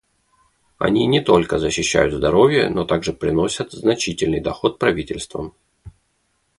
Они не только защищают здоровье, но также приносят значительный доход правительствам.